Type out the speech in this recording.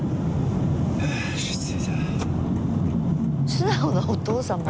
素直なお父さま。